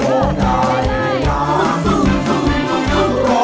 ร้องได้ให้ร้อง